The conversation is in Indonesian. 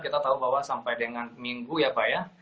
kita tahu bahwa sampai dengan minggu ya pak ya